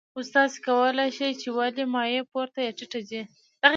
اوس کولی شئ چې ولې مایع پورته یا ټیټه ځي.